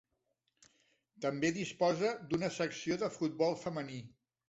També disposa d'una secció de futbol femení.